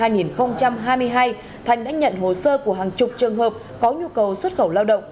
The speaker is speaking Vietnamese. năm hai nghìn hai mươi hai thành đã nhận hồ sơ của hàng chục trường hợp có nhu cầu xuất khẩu lao động